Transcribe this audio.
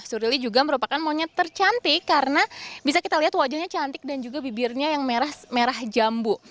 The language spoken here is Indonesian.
surili juga merupakan monyet tercantik karena bisa kita lihat wajahnya cantik dan juga bibirnya yang merah jambu